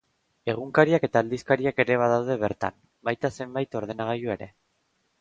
Egunkariak eta aldizkariak ere badaude bertan, baita zenbait ordenagailu ere.